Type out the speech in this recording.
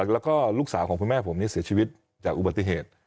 แล้วก็ลูกสาวของคุณแม่ผมเสียชีวิตจากอุบัติเหตุ